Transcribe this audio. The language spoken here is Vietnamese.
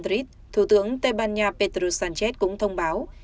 madrid thủ tướng tây ban nha petrus sánchez cũng thông báo